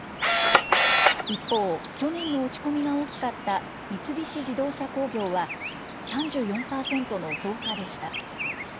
一方、去年の落ち込みが大きかった三菱自動車工業は、３４％の増加でした。